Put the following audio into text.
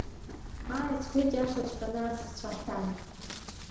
Ааи, — сҳәеит, иашаҵәҟьаны асасцәа ҳҭан.